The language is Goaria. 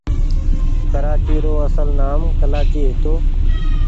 ڪرآچي رو اسل نآم ڪلآچي هيتو۔